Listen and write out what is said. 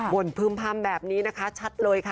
บ่นพึ่มพำแบบนี้นะคะชัดเลยค่ะ